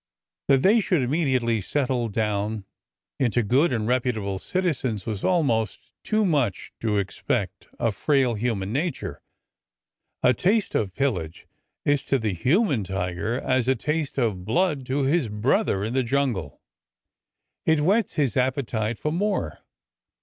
That they should imme diately settle down into good and reputable citizens waa almost too much to expect of frail human nature. A taste of pillage is to the human tiger as a taste of blood to his brother in the jungle. It whets his appetite for more.